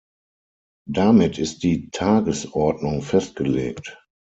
Damit ist die Tagesordnung festgelegt.